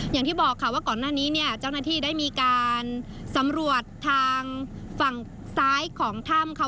อย่างที่บอกค่ะว่าก่อนหน้านี้เนี่ยเจ้าหน้าที่ได้มีการสำรวจทางฝั่งซ้ายของถ้ำค่ะ